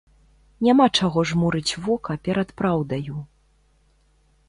Няма чаго жмурыць вока перад праўдаю.